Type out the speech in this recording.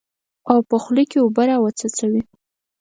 او په خوله کې اوبه راوڅڅوي.